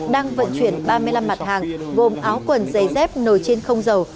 đang vận chuyển ba mươi năm mặt hàng gồm áo quần giày dép nồi trên không dầu